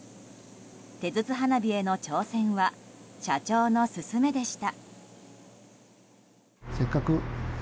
手筒花火への挑戦は社長の勧めでした。